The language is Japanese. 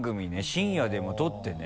深夜でも取ってね。